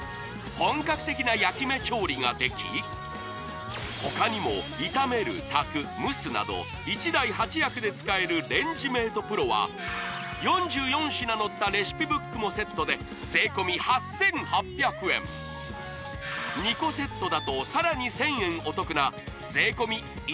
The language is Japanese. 本格的な焼き目調理ができ他にも炒める炊く蒸すなど１台８役で使えるレンジメートプロは４４品載ったレシピブックもセットで２個セットだとさらに１０００円